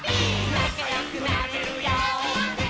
なかよくなれるよ。